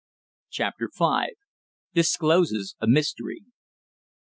CHAPTER V DISCLOSES A MYSTERY.